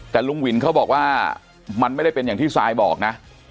แต่ลุงวินเขาบอกว่ามันไม่ได้เป็นอย่างที่ซายบอกนะ